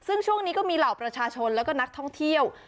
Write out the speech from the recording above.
ซึ่งช่วงนี้ก็มีเหล่าประชาชนแล้วก็นักท่องเที่ยว